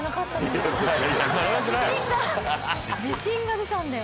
自信が自信が出たんだよ